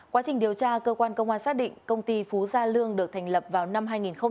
quá trình điều tra cơ quan công an xác định công ty phú gia lương được thành lập vào năm hai nghìn một mươi